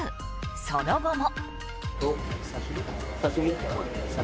その後も。